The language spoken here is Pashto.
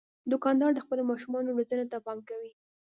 دوکاندار د خپلو ماشومانو روزنې ته پام کوي.